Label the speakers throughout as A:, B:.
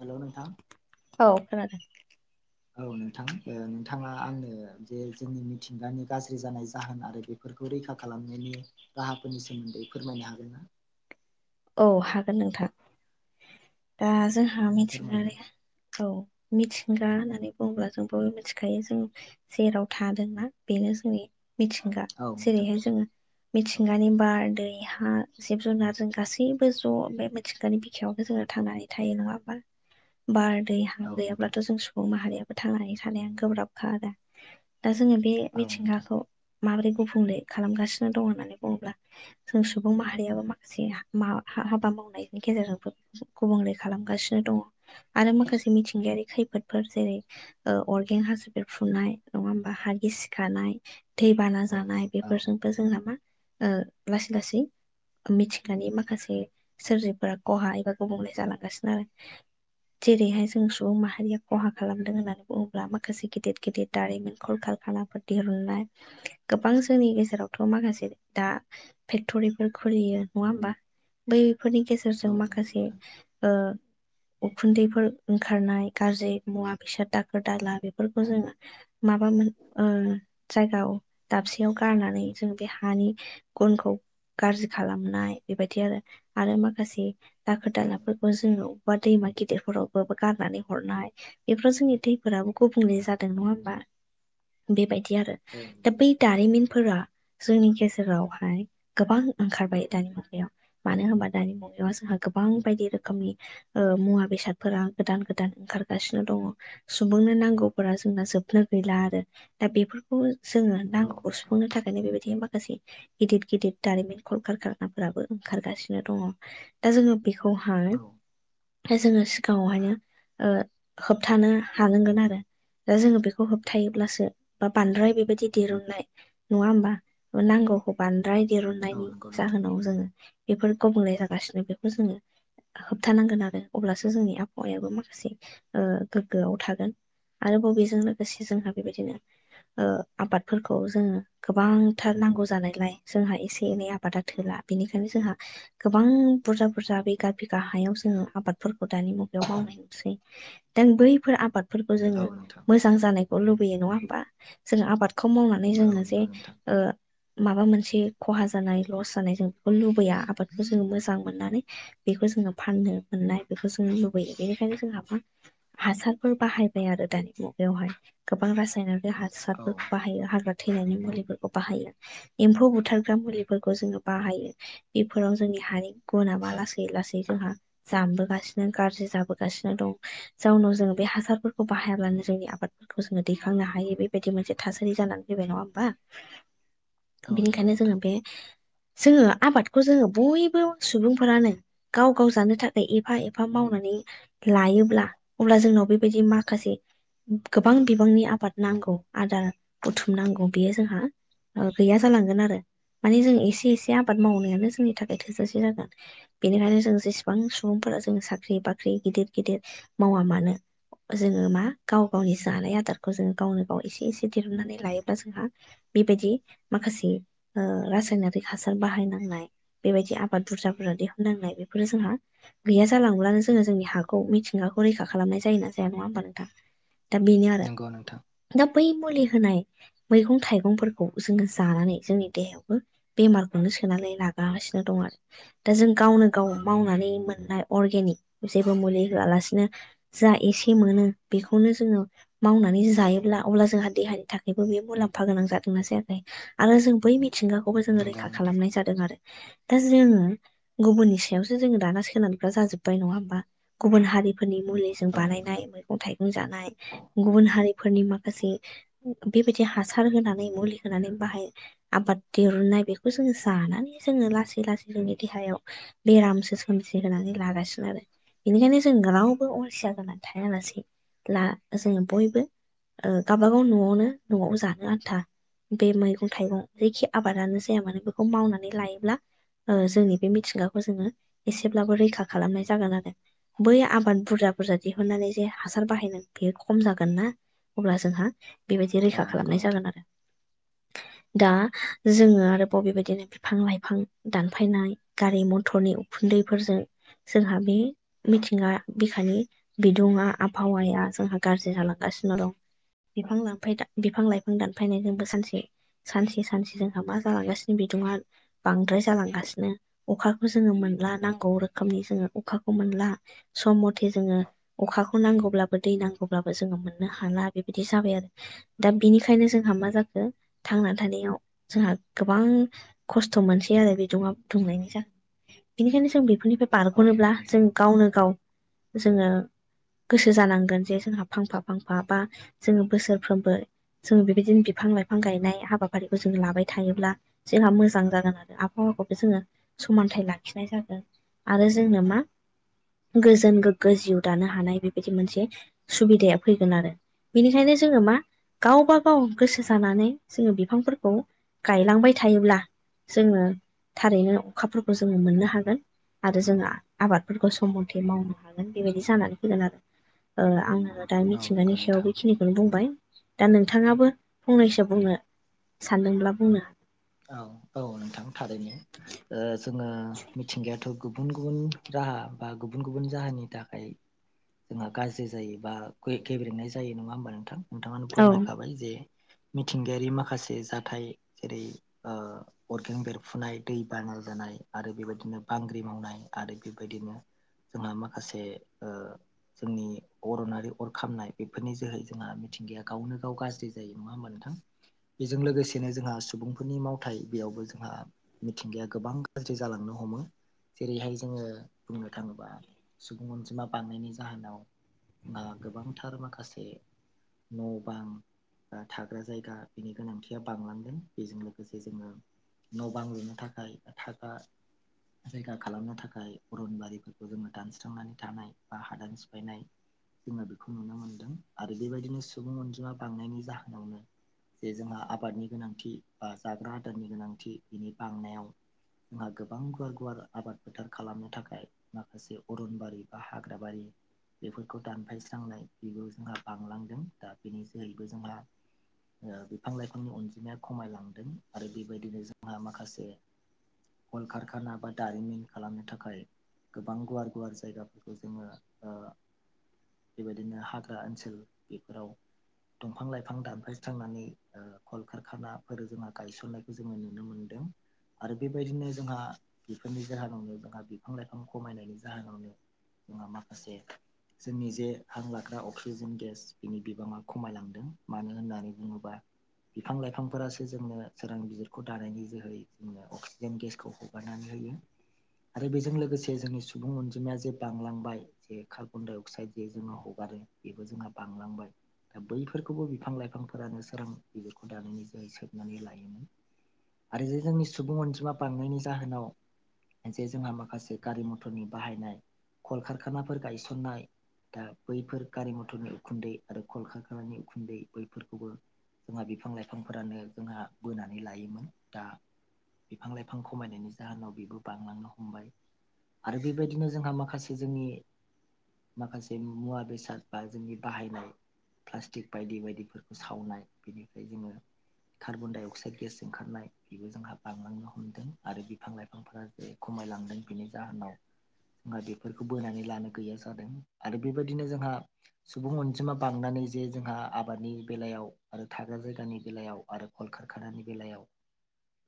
A: Hello नोंथां
B: औ खोनादों
A: [inaudible] औ नोंथां ओ नोंथाङा आंनो बे जोंनि मिथिंगानि गाज्रि जानाय जाहोन आरो बे फोरखौ रैखा खालामनायनि राहाफोरनि सोमोन्दै फोरमायनो हागोन ना?
B: औ हागोन नोंथां दा जोंहा
A: नोंथाङा
B: मिथिंगा
A: फोरमायदो
B: औ मिथिंगा होननानै बुङोब्ला जों बयबो मिथिखायो जों जेराव थादोंना बेनो जोंनि मिथिंगा
A: औ नोंथां
B: जेरैहाय जोङो
A: औ
B: मिथिंगानि बार दै हा जिब जुनार जों गासै सैबो ज' बे मिथिंगानि बिखायावबो जोङो थांनानै थायो नङा ओमबा बार दै हा
A: औ नोंथां
B: गैयाब्लाथ' जों सुबुं माहारियाबो थांनानै थानाया गोब्राबखा आरो दा जोङो बे
A: औ नोंथां
B: मिथिंगाखौ माबोरै गुफुंले खालामगासिनो दं होननानै बुङोब्ला जों सुबुं माहारियाबो माखासे मा हाबा मावनायनि गेजेरजोंबो गुबुंले खालामगासिनो दङ आरो माखासे मिथिंगायारि खैफोद फोर जेरै अरगें हाजो बेफ्रुनाय नङा होमबा हा गिसिखानाय दै बाना
A: औ
B: जानाय
A: औ
B: बेफोरजोंबो जोंना मा ओ लासै लासै मिथिगानि मा खासे सोरजिफोरा खहा एबा गुबुंले जालांगासिनो आरो जेरैहाय जों सुबुं माहारिया खहा खालामदों होन्नानै बुङोब्ला माखासे गेदेर गेदेर दारिमिन खल कारखानाफोर दिहुननाय गोबां जोंनि गेजेरावथ' माखासे दा फेक्ट'रिफोर खुलियो नङा होमबा बैफोरनि गेजेरजों
A: नंगौ
B: माखासे
A: नोंथां
B: ओ उखुन्दैफोर ओंखारनाय गाज्रि मुवा बेसाद दाखोर दाला बेफोरखौ जोङो माबा मोन ओ जायगायाव दाबसेयाव गारनानै जों बे हानि गुनखौ गाज्रि खालामनाय बेबायदि आरो आरो माखासे दाखोर
A: औ
B: दालाफोर बा जोंनाव दैमा गिदिरफोरावबो गारनानै हरनाय बेफोराव जोंनि दैफोराबो गुबुंले जा दों नङा ओमबा बेबायदि आरो
A: औ
B: दा
A: नोंथां
B: बै दारिमिनफोरा जोंनि गेजेरावहाय गोबां ओंखारबाय दारिमिन याव मानो होनबा दानि मुगायाव जोंहा गोबां बायदि रोखोमनि ओ मुवा बेसादफोरा गोदान गोदान ओंखारगासिनो दङ सुबुंनो नांगौफोरा जोंना जोबनो गैला आरो दा बेफोरखौ जोङो
A: औ
B: नांगौखौ
A: नंगौ
B: सुफुंनो था माने बेबायदि माखासे गिदिर गिदिर दारिमिन कल खारखाना फोराबो ओंखारगासिनो दङ दा जोङो बेखौहाय
A: औ
B: दा जोङो सिगाङावहायनो ओ होबथानो हानांगोन आरो दा जोङो बेखौ होबथायोब्लासो बा बांद्राय बेबायदि दिरुननाय नङा होमबा नांगौखौ बांद्राय
A: औ
B: दिरुननायनि
A: नंगौ
B: जाहोनाव जोङो बेफोर गुबुंले जागासिनो बेखौ जोङो होबथानांगोन आरो अब्लासो जोंनि आबहावायाबो माखासे ओ गोग्गोआव थागोन आरो बबेजों लोगोसे जोंहा बेबायदिनो ओ आबादफोरखौ जोङो गोबांथार नांगौ जानायलाय जोंहा एसे एनै आबादा थोला बेनिखायनो जोंहा गोबां बुरजा बुरजा बिगा बिगा हायाव जोङो आबाद फोरखौ दानि मुगायाव मावनाय नुसै दा बैफोर आबादफोरखौ
A: नोंथां औ
B: जोङो
A: नोंथां
B: मोस जां जानायखौ लुबैयो नङा होमबा जों आबादखौ मावनानै
A: औ
B: जोङो
A: नंगौ
B: जे
A: नोंथां
B: ओ माबा मोनसे खहा जानाय लस जानाय जों बेखौ लुबैया आबादखौ जों मोजां मोननानै बेखौ जोङो फाननो मोननाय बेखौ जों लुबैयो बेनिखायनो जोंहा हासारफोर बाहायबाय आरो दानि मुगायावहाय गोबां रासायनारि हा
A: औ
B: सारफोरखौ बाहायो हाग्रा थैनायनि मुलिफोर खौ बाहायो एम्फौ बुथारग्रा मुलिफोरखौ जोङो बाहायो। बेफोराव जोंनि हानि गुना बा लासै लासै जोंहा जामबोगासिनो गाज्रि जाबोगासिनो दं। जाउनाव जोङो बे हासारफोरखौ बाहायाब्लानो जोंनि आबाद खौ जोङो दैखांनो हायो बेबायदि मोनसे थासारि जानानै फैबाय नङा होमबा।
A: [inaudible]
B: बिनिखायनो जोङो
A: नोंथां
B: बे जोङो आबादखौ जोङो बयबो सुबुंफोरानो गाव गाव जानो थाखाय एफा एफा मावनानै लायोब्ला अब्ला जोंनाव बेबायदि माखासे गोबां बिबांनि आबाद नांगौ आदार बुथुम नांगौ बेयो जोंहा गैया जालांगोन आरो माने जों एसे एसे आबाद मावनायानो जोंनि थाखाय थोजासे जागोन। बेनिखायनो जों जेसेबां सुबुंफोरा जों साख्रि बाख्रि गिदिर गिदिर मावा मानो जोङो मा गाव गावनि जानाय आदारखौ जोङो गावनो गाव एसे एसे दिरुननानै लायोब्ला जोंहा बेबायदि माखासे रासायनारिक हासा बाहायनांनाय बेबायदि आबाद बुरजा बुरजा दिहुननांनाय बेफोरो जोंहा गैया जालांब्लानो जोङो जोंनि हाखौ मिथिंगाखौ रैखा खालामनाय जायो ना जाया नङा होमबा नोंथां। दा बेनो आरो
A: नंगौ नोंथां
B: दा बै मुलि होनाय मैगं थाइगंफोरखौ जोङो जानानै जोंनि देहायावबो बेमार बेखौनो सोनानै लाागागासिनो दं आरो दा जों गावनो गाव मावनानै मोननाय अरगेनिक जेबो मुलि होयालासिनो जा एसे मोनो बेखौनो जोङो मावनानै जायोब्ला अब्ला जोंहा देहानि थाखायबो बे मुलाम्फा गोनां जादोंना जायाखै आरो जों बै मिथिंगाखौबो जोङो
A: नंगौ
B: रैखा
A: नोंथां
B: खालामनाय जादों आरो दा जों गुबुननि सायावसो जोङो दाना सोनारग्रा जाजोब्बाय नङा होमबा गुबुन हारिफोरनि मुलि जों
A: औ नोंथां
B: बानायनाय मैगं थाइगं जानाय गुबुन हारिफोरनि माखासे बेबायदि हासार होनानै मुलि होनानै बाहाय आबाद दिरुननाय बेखौ जों जानानै जोङो लासै लासै जोंनि देहायाव बेरामसो सोमजिहोनानै ला सिनो आरो बेनिखायनो जों रावबो अलसिया जाना थायालासै लासे जों बयबो ओ गावाबागाव न'आवनो न'आवबो जानो आन्था बे मैगं थाइगं जायखि आबादानो जाया मानो बेखौ मावनानै लायोब्ला जोंनि बे मिथिंगाखौ जोङो एसेब्लाबो रैखा खालामनाय जागोन आरो। बै आबाद बुरजा बुरजा दिहुननानै जे हासार बाहायनानै बेयो खम जागोन ना। अब्ला जोंहा बेबायदि
A: औ
B: रैखा
A: नंगौ
B: खालामनाय
A: नोंथां
B: जागोन आरो दा जोङो आरो दा बे बेबायदिनो बिफां लाइफां दानफायनाय गारि मथरनि उखुन्दैफोरजों जोंहा बे मिथिंगा बिखानि बिंदुआ आबहावाया जोंहा गाज्रि जालांगासिनो दं। बिफां बिफां लाइफां दानफायनायजोंबो सानसे सानसे सानसे जोंहा मा जालांगासिनो बिदङआ बांद्राय जालांगासिनो। अखाखौ जोङो मोनला नांगौ रोखोमनि जोङो अखाखौ मोनला सम मथे जोङो अखाखौ नांगौब्लाबो दै नांगौब्लाबो जोङो मोननो हाला बेबायदि जाबाय आरो। दा बेनिखायनो जोंहा मा जाखो थांना थानायाव जोंहा गोबां खस्थ' मोनसै आरो बिदुंया दुंनायनि जाहनननि बेनिखायनो जों बेफोरनिफ्राय
A: औ
B: बारग'नोब्ला
A: नंगौ
B: जों
A: नोंथां
B: गावनो गाव जोङो गोसो जानांगोन जे जोंहा फांफा फांफा बा जोङो बोसोरफ्रोमबो जोङो बेबायदिनो बिफां लाइफां गायनाय हाबाफारिखौ जों लाबाय थायोब्ला जोंहा मोजां जागोन आरो आबहावाखौबो जोङो समानथाइ लाखिनाय जागोन। आरो जोङो मा गोजोन गोग्गो जिउ दानो हानाय बेबायदि मोनसे सुबिदाया फैगोन आरो। बेनिखायनो जोङो मा गावबा गाव गोसो जानानै जोङो बिफांफोरखौ गायलांबाय थायोब्ला जोङो थारैनो अखाफोरखौ जोङो मोननो हागोन आरो जोङो आबादफोरखौ सम मथे मावनो हागोन हागोन बेबायदि जानानै फैगोन आरो आङो दा
A: औ नंगौ
B: मिथिंगानि
A: नोंथां
B: सायाव बेखिनिखौनो बुंबाय दा नोंथाङाबो फंनैसो बुंनो सानदोंब्ला बुंनो
A: औ औ नोंथां थारैनो जोङा मिथिंगायाथ' गुब गुबुन गुबुन राहा बा गुबुन गुबुन जाहोननि थाखाय जोंहा गाज्रि जायो बा गेब्रेनाय जायो नङा होमबा नोंथां नोंथाङानो
B: हागोन
A: फोरमायखाबाय जे मिथिंगायारि माखासे जाथाय जेरै अरगें बेरफुनाय दै बाना जानाय आरो बेबायदिनो बांग्रिं मावनाय आरो बेबायदिनो जोंहा माखासे जोंनि अरनारि अर खामनाय बेफोरनि जोहै जोंहा मिथिंगाया गावनो गाव गाज्रि जायो नङा होनबा नोंथां बेजों लोगोसेनो जोंहा सुबुं बे फोरनि मावथायाइ बेयावबो जोंहा मिथिंगाया गोबां गाज्रि जालांनो हमो जेरैहाय जोङो बुंनो थाङोबा सुबुं अनजिमा बानायनायनि जाहोनाव बा गोबांथार माखासे न' बां थाग्रा जायगा बिनि गोनांथिया बांलांदों बेजों लोगोसे जोङो न' बां लुनो थाखाय थाखा जायगा खालामनो थाखाय अरनबारिफोरखौ जोङो दानस्रांनानै थानाय बा हादान सिफायनाय जोङो बेखौ नुनो मोनदों आरो बेबायदिनो सुबुं अनजिमा बांनायनि जाहोनावनो जे जोंहा आबादनि गोनांथि बा जाग्रा आदारनि गोनांथि बिनि बांनायाव जोंहा गोबां गुवार गुवार आबाद फोथार खालामनो थाखाय माखासे अरनबारि बा हाग्राबारि बेफोरखौ दानफायस्रांनाय बेबो जोंहा बांलांदों दा बेनि जोहैबो जोंहा बिफां लाइफांनि अनजिमाया खमायलांदों आरो बेबायदिनो जोंहा माखासे कल खारखाना बा दारिमिन खालामनो थाखाय गोबां गुवार गुवार जायगाफोरखौ जोङो बेबायदिनो हाग्रा ओनसोल बेफोराव दंफां लाइफां दानफायस्रांनानै कलकारखाना फोर जोंहा गायसननायखौ जोङो नुनो मोनदों आरो बेबायदिनो जोंहा बेफोरनि जाहोनावनो जोंहा बिफां लाइफां खमायनायनि जाहोनावनो [unintelligible] माखसे जोंनि जे हां लाग्रा अक्सिजेन गेस बिनि बिबाङा खमायलांदों मानो होननानै बुङोबा बिफां लाइफांफोरा जोंनो सोरां बिजिरखौ दानायनि जोहै जोंनो अक्सिजेन गेसखौ हगारनानै होयो आरो बेजों लोगोसे जोंनि सुबुं अनजिमाया जे बांलांबाय जे कार्बन डाय अक्साइद जे जोंनाव हगारो बेबो जोंहा बांलांबाय दा बैफोरखौबो बिफां लाइफांफोरानो सोरां बिजदिरखौ दानायनि जोै सोबनानै लायोमोन आरो जे जोंनि सुबुं अनजिमा बांनायनि जाहोनाव जे जोंहा माखासे गारि मथरनि बाहायनाय कल कारखानाफोर गायसननाय दा बैफोर गारि मथरनि उखुन्दै आरो कलकातानि उखुन्दै बैफोरखौबो जोंहा बिफां लाइफांफोरानो जोंहा बोनानै लायोमोन दा बिफां लाइफां खमायनायनि जाहोनाव बेबो बांलांनो हमबाय आरो बेबायदिनो जोंहा माखासे जोंनि माखासे मुवा बेसाद बा जोंनि बाहायनाय प्लास्टिक बायदि बायदिफोरखौ सावनाय बेनिफ्राय जोङो कार्बन दडाइ अक्साइड गेस ओंखारनाय बेबो जोंहा बांलांनो हमदों आरो बिफां लाइफांफोरा जे खमायलांदों बिनि जाहोनाव जोंहा बेफोरखौ बोनानै लानो गैया जादों आरो बेबायदिनो जोंहा सुबुं अनजिमा बांनानै जे जोंहा आबादनि बेलायाव आरो थाग्रा जायगानि बेलायाव आरो कल खारखानानि बेलायाव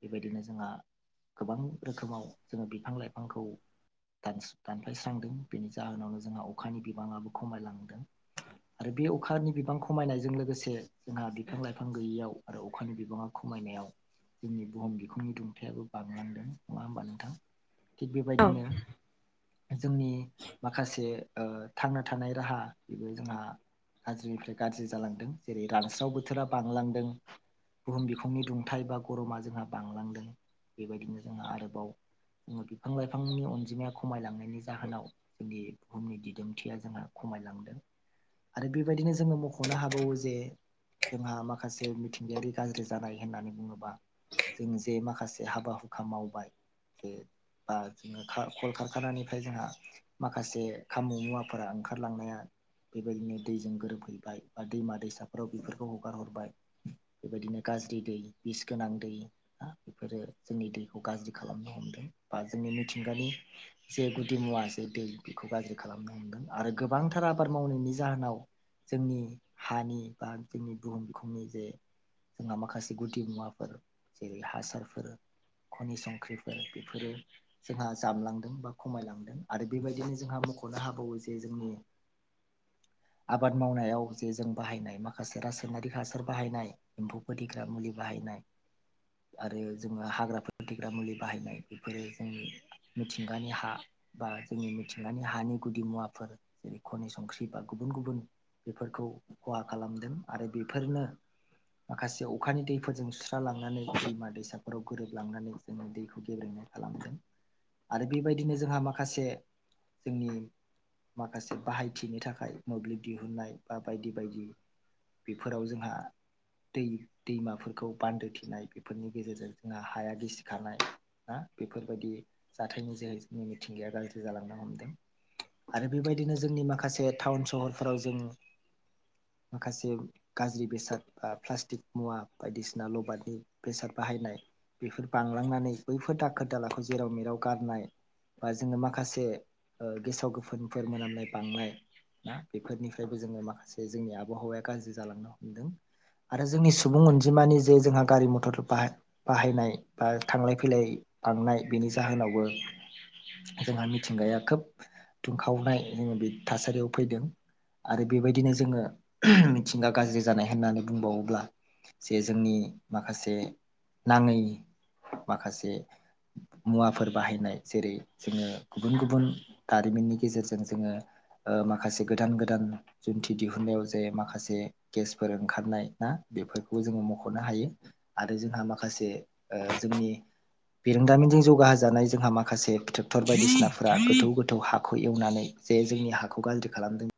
A: बेबायदिनो जोंहा गोबां रोखोमाव जोङो बिफां लाइफांखौ दानस्रा दानफ्लायस्रांदों बेनि जाहोनावनो जोंहा अखानि बिबाङाबो खमायलांदों आरो बे अखानि बिबां खमायनायजों लोगोसे जोंहा बिफां लाइफां गैयियाव आरो अखानि बिबाङा खमायनायाव जोंनि बुहुम बिखुंनि दुंथायाबो बांलांदों नङा होमबा नोंथां थिग
B: औ
A: बेबायदिनो जोंनि माखासे ओ थांना थानाय राहा बेबो जोंहा गाज्रिनिफ्राय गाज्रि जालांदों जेरै रानस्राव बोथोरा बांलांदों बुहुम बिखुंनि दुंथाइ बा गरमा जोंहा बांलांदों बेबायदिनो जोंहा आरोबाव जोङो बिफां लाइफांनि अनजिमाया खमायलांनायनि जाहोनाव जोंनि बुहुमनि दिदोमथिया जोंहा खमायलांदों आरो बेबायदिनो जोङो मख'नो हाबावो जे जोंहा माखासे मिथि थिंगायारि गाज्रि जानाय होननानै बुङोबा जों जे माखासे हाबा हुखा मावबाय जे बा जोङो खार कल खारखानानिफ्राय जोंहा माखासे खामु मुवाफोरा ओंखारलांनाया बेबायदिनो दैजों गोरोबफैबाय बा दैमा दैसाफोराव बेफोरखौ हगार हरबाय बेबायदिनो गाज्रि दै बिस गोनां दै हा बेफोरो जोंनि दैखौ गाज्रि खालामनो हमदों बा जोंनि मिथिंगानि जे गुदि मुवा जे दै बेखौ गाज्रि खालामनो हमदों आरो गोबांथार आबाद मावनायनि जाहोनाव जोंनि हानि बा जोंनि बुहुम बिखुंनि जे जोंहा माखासे गुदि मुवाफोर जेरै हासारफोर खनि संख्रिफोर बेफोरो जोंहा जामलांदों बा खमायलांदों आरो बेबायदिनो जोंहा मख'नो हाबावो जे जोंनि आबाद मावनायाव जे जों बाहायनाय माखासे रासायनारि हासार बाहायनाय एमफौ फोथैग्रा मुलि बाहायनाय आरो जोङो हाग्राफोर फोथैग्रा मुलि बाहायनाय बेफोरो जोंनि मिथिंगानि हा बा जोंनि मिथिंगानि हानि गुदि मुवाफोर जेरै खनि संख्रि बा गुबुन गुबुन बेफोरखौ खहा खालामदों आरो बेफोरनो माखासे अखानि दैफोरजों सुस्रा लांनानै दैमा दैसाफोराव गोरोबलांनानै जोङो दैखौ गेब्रेङो खालामदों आरो बेबायदिनो जोंहा माखासे जोंनि माखासे बाहायथिनि थाखाय मोब्लिब दिहुनन्नाय बा बायदि बायदि बेफोराव जोंहा दै दैमाफोरखौ बान्दो थेनाय बेफोरनि गेजेरजों जोंहा हाया गिसिखानाय ना बेफोरबायदि जाथायनि जोहै जोंनि मिथिंगाया गाज्रि जालांनो हमदों आरो बेबायदिनो जोंनि माखासे टाउन सहरफोराव जों माखासे गाज्रि बेसाद बा प्लास्टिक मुवा बायदिसिना लबारनि बेसाद बाहायनाय बेफोर बांलांनानै बैफोर दाखोर दालाखौ जेराव मेराव गारनाय बा जोङो माखासे गेसाव गोफोनफोर मोनामनाय बांनाय ना बेफोरनिफ्रायबो जोङो माखासे जोंनि आबहावाया गाज्रि जालांनो हमदों आरो जोंनि सुबुं अनजिमानि जे जोंहा गारि मथर बा बाहायनाय बा थांलाय फैलाय बांनाय बेनि जाहोनावबो जोंहा मिथिंगाया खोब दुंखावनाय जोङो बे थासारियाव फैदों आरो बेबायदिनो जोङो मिथिंगा गाज्रि जानाय होननानै बुंबावोब्ला जे जोंनि माखासे नाङै माखासे मुवाफोर बाहायनाय जेरै जोङो गुबुन गुबुन दारिमिननि गेजेरजों जोङो ओ माखासे गोदान गोदान जुनथि दिहुननायाव जे माखासे गेसफोर ओंखारनाय ना बेफोरखौ जोङो मख'नो हायो आरो जोंहा माखासे जोंनि बिरोंदामिनजों जौगा होजानाय जोंहा माखासे फि टर बायदिसिनाफोरा
B: औ।
A: गोथौ गोथौ हाखौ एवनानै जे जोंनि हाखौ गाज्रि खालामदों